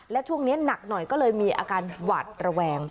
และช่วงนี้หนักหน่อยก็เลยมีอาการหวาดระแวง